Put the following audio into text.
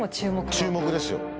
注目ですよ。